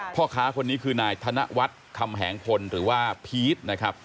พ่อค้าคนนี้คือนายธนวัฒน์คำแหงพลหรือว่าพีชนะครับ